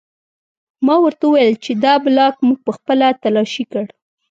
ما ورته وویل چې دا بلاک موږ پخپله تلاشي کړ